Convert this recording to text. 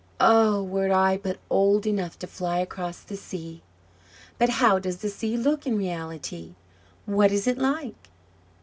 "Oh, were I but old enough to fly across the sea! But how does the sea look in reality? What is it like?"